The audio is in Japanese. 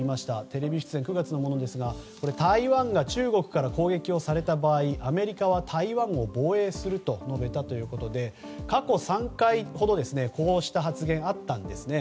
テレビ出演、９月のものですが台湾が中国から攻撃をされた場合アメリカは台湾を防衛すると述べたということで過去３回ほどこうした発言があったんですね。